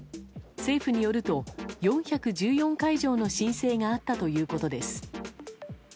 政府によると、４１４会場の申請があったということです。